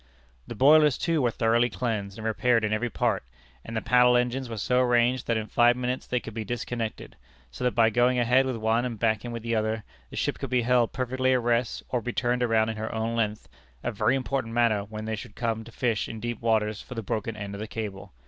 The boilers too were thoroughly cleansed and repaired in every part, and the paddle engines were so arranged that in five minutes they could be disconnected, so that by going ahead with one and backing with the other, the ship could be held perfectly at rest or be turned around in her own length, a very important matter when they should come to fish in deep waters for the broken end of the cable.